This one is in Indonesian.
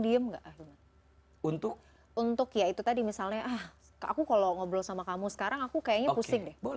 diem untuk untuk yaitu tadi misalnya aku kalau ngobrol sama kamu sekarang aku kayaknya pusing